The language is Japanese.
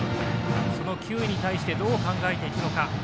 その球威に対してどう考えていくのか。